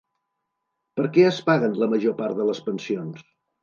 Per què es paguen la major part de les pensions?